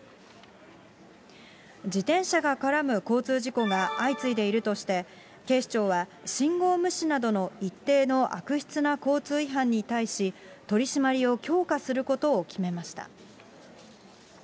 自転車が絡む交通事故が相次いでいるとして、警視庁は、信号無視などの一定の悪質な交通違反に対し、取締りを強化することを決めました。